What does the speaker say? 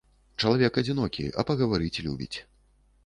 Чалавек адзінокі, а пагаварыць любіць.